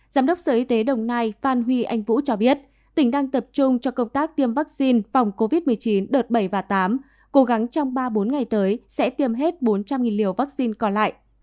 giám đốc sở y tế đồng nai phan huy anh vũ cho biết tỉnh đang tập trung cho công tác tiêm vaccine phòng covid một mươi chín đợt bảy và tám cố gắng trong ba bốn ngày tới sẽ tiêm hết bốn trăm linh liều vaccine còn lại